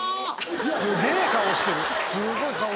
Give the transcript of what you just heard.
・すげぇ顔してる